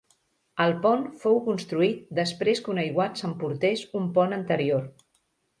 El pont fou construït després que un aiguat s'emportés un pont anterior.